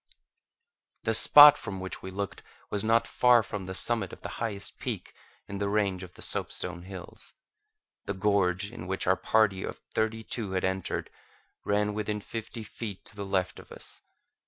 The spot from which we looked was not far from the summit of the highest peak in the range of the soapstone hills. The gorge in which our party of thirty two had entered ran within fifty feet to the left of us.